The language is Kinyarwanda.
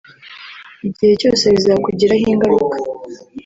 igihe cyose bizakugiraho ingaruka